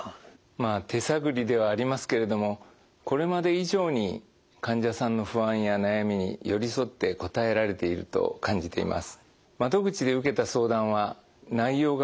まあ手探りではありますけれどもこれまで以上に患者さんの不安や悩みに寄り添って応えられていると感じています。